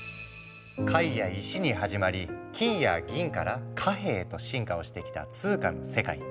貝や石に始まり金や銀から貨幣へと進化をしてきた通貨の世界。